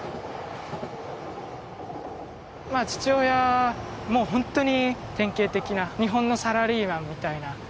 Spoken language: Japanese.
まあ父親もうほんとに典型的な日本のサラリーマンみたいな。